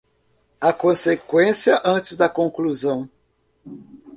a conseqüência antes da conclusão.